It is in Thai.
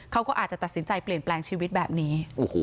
เขาก็อาจจะตัดสินใจเปลี่ยนแปลงชีวิตแบบนี้